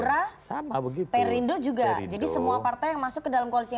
jadi semua partai yang masuk ke dalam koalisinya mas ganjar harus diklarasi dulu